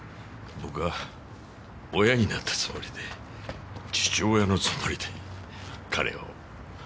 僕は親になったつもりで父親のつもりで彼を追いかけたんだ。